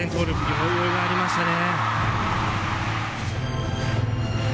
余裕がありましたね。